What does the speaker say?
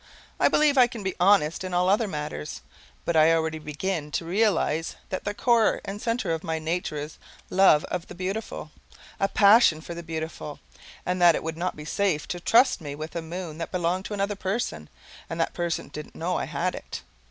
I believe I can be honest in all other matters, but I already begin to realize that the core and center of my nature is love of the beautiful, a passion for the beautiful, and that it would not be safe to trust me with a moon that belonged to another person and that person didn't know I had it.